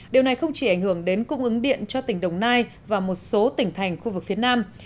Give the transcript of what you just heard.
điều này không chỉ ảnh hưởng đến cung ứng điện cho tỉnh đồng nai và một số tỉnh thành khu vực phía nam